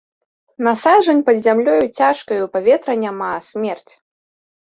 На сажань пад зямлёю цяжкаю, паветра няма, смерць.